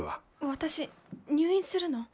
私入院するの？